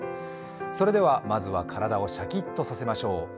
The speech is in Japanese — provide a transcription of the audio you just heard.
それでは、まずは体をシャッキとさせましょう。